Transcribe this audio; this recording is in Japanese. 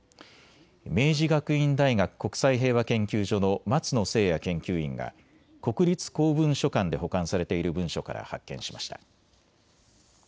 明治学院大学国際平和研究所の松野誠也研究員が国立公文書館で保管されている文書から発見しました。